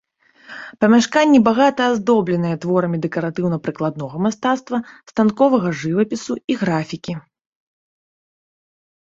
Памяшканні багата аздобленыя творамі дэкаратыўна-прыкладнога мастацтва, станковага жывапісу і графікі.